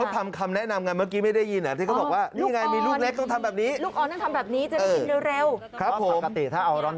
ถ่ายเองแล้วโพสต์เอง